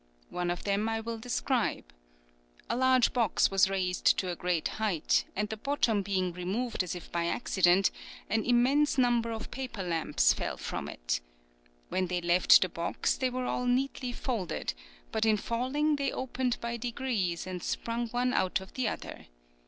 One of them I will describe. A large box was raised to a great height, and the bottom being removed as if by accident, an immense number of paper lamps fell from it. When they left the box they were all neatly folded; but in falling they opened by degrees and sprung one out of the other.